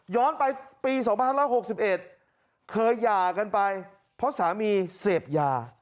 ไปปี๒๕๖๑เคยหย่ากันไปเพราะสามีเสพยา